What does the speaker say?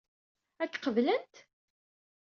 Ad k-qeblent?